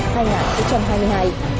thay mạng trong hai mươi hai ngày